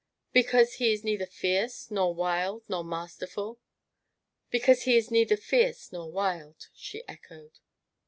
"Because he is neither fierce nor wild nor masterful!" "Because he is neither fierce nor wild," she echoed.